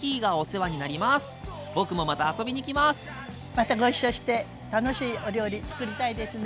またご一緒して楽しいお料理つくりたいですね。